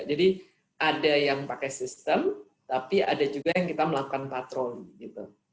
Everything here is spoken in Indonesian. jadi ada yang pakai sistem tapi ada juga yang kita melakukan patroli